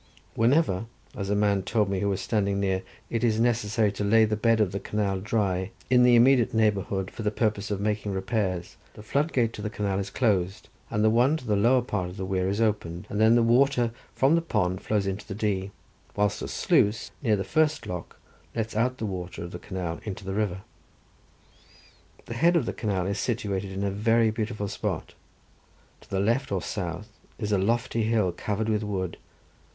Whenever, as a man told me who was standing near, it is necessary to lay the bed of the canal dry in the immediate neighbourhood for the purpose of making repairs, the floodgate to the canal is closed, and the one to the lower part of the weir is opened, and then the water from the pond flows into the Dee, whilst a sluice, near the first lock, lets out the water of the canal into the river. The head of the canal is situated in a very beautiful spot. To the left or south is a lofty hill covered with wood.